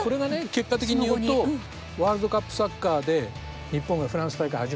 結果的に言うとワールドカップサッカーで日本がフランス大会初めて出ますよね。